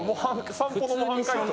散歩の模範解答。